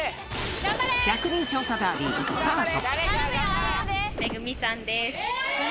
１００人調査ダービー、スタート。